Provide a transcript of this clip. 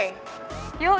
dia tuh senior kita loh